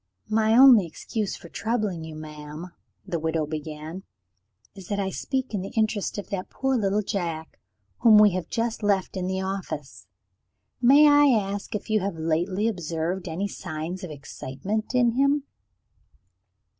"My only excuse for troubling you, madam," the widow began, "is that I speak in the interest of that poor little Jack, whom we have just left in the office. May I ask if you have lately observed any signs of excitement in him?"